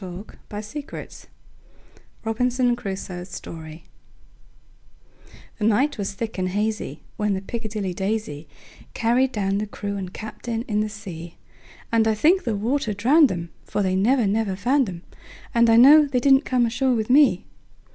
Carryl1841–1920 Robinson Crusoe's Story THE NIGHT was thick and hazyWhen the "Piccadilly Daisy"Carried down the crew and captain in the sea; And I think the water drowned 'em; For they never, never found 'em, And I know they didn't come ashore with me.